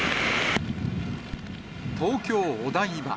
東京・お台場。